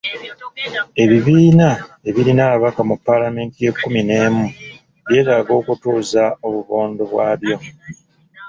Ebibiina ebirina ababaka mu Palamenti ye kkumi n'emu byetaaga okutuuza obubondo bwabyo